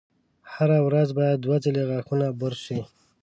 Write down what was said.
هره ورځ باید دوه ځلې غاښونه برش شي.